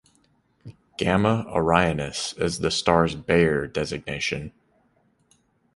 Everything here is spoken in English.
"Gamma Orionis" is the star's Bayer designation.